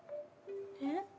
えっ？